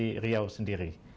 di riau sendiri